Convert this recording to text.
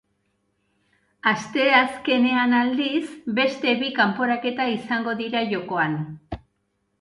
Asteazkenean, aldiz, beste bi kanporaketa izango dira jokoan.